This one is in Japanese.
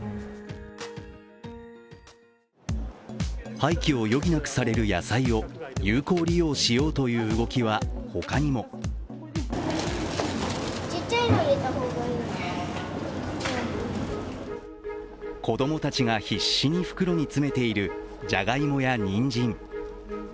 廃棄を余儀なくされる野菜を有効利用しようという動きは他にも子供たちが必死に袋に詰めているじゃがいもや、にんじん。